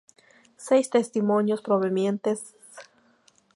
Seis testimonios provenientes de China relatan la observación del fenómeno.